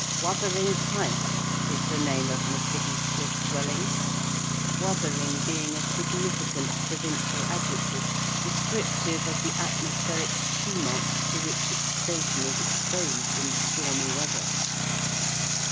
Wuthering Heights is the name of Mr. Heathcliff's dwelling. "Wuthering" being a significant provincial adjective, descriptive of the atmospheric tumult to which its station is exposed in stormy weather.